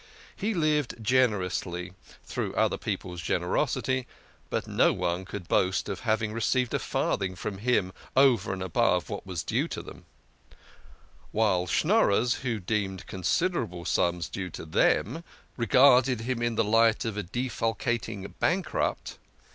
He lived generously through other people's generosity but no one could boast of hav ing received a farthing from him over and above what was due to them ; while Schnorrers (who deemed considerable sums due to them) regarded him in the light of a defalcat ing bankrupt.